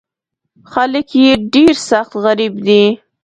خلک یې ډېر سخت غریب دي.